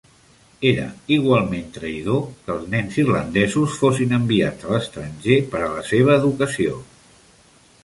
Era igualment traïdor que els nens irlandesos fossin enviats a l'estranger per a la seva educació.